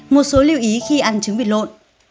một số lưu ý khi ăn trứng vịt lộn